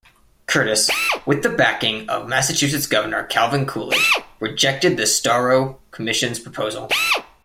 Curtis, with the backing of Massachusetts Governor Calvin Coolidge, rejected the Storrow Commission's proposal.